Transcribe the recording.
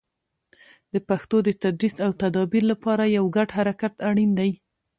د پښتو د تدریس او تدابیر لپاره یو ګډ حرکت اړین دی.